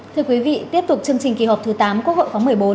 thưa quý vị tiếp tục chương trình kỳ họp thứ tám quốc hội khóa một mươi bốn